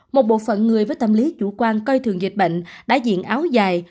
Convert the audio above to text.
một bộ phận người với tâm lý chủ quan coi thường dịch bệnh đã diện áo dài